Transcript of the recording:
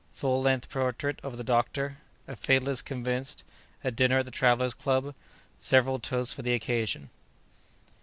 —Full length Portrait of the Doctor.—A Fatalist convinced.—A Dinner at the Travellers' Club.—Several Toasts for the Occasion.